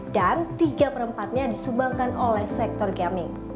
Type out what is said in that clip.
dan tiga per empat nya disubangkan oleh sektor gaming